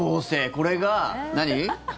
これが何？